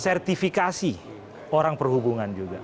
sertifikasi orang perhubungan juga